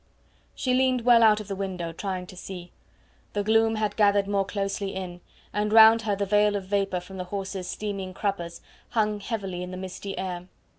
She leaned well out of the window, trying to see. The gloom had gathered more closely in, and round her the veil of vapour from the horses' steaming cruppers hung heavily in the misty air.